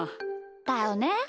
だよね。